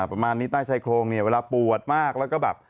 ประมาณนี้ใต้ไชโครงเวลาปวดมากแล้วก็แบบ